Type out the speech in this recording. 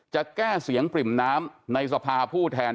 จะแก้เสียงปริ่มน้ำในสภาผู้แทน